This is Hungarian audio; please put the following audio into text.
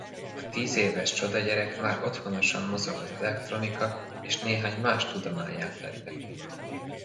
A tízéves csodagyerek már otthonosan mozog az elektronika és néhány más tudományág területén.